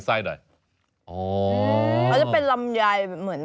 ไซส์ลำไย